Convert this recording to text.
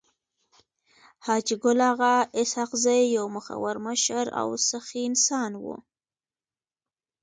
حاجي ګل اغا اسحق زی يو مخور مشر او سخي انسان وو.